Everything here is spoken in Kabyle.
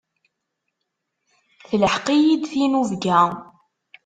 Telḥeq-iyi-d tinubga.